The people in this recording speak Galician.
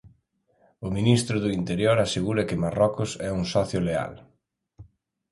O ministro do Interior asegura que Marrocos é un socio leal.